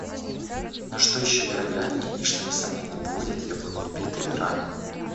Но, что еще вероятнее и что несомненно будет, — я буду убит или ранен.